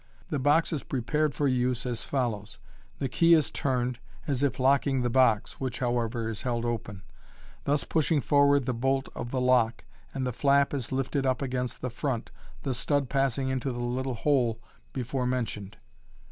The box is prepared for use as follows :— The key is turned, as if locking the box (which, however, is held open), thus pushing forward the bolt of the lock, and the flap is lifted up against the front, the stud passing into the little hole before mentioned.